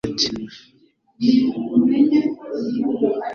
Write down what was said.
Icyumba hari abana bake.